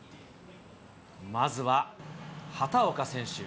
まずは畑岡選手。